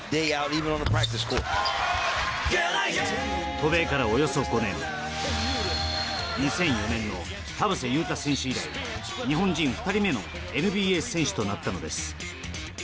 渡米からおよそ５年２００４年の田臥勇太選手以来日本人２人目のＮＢＡ選手となったのです。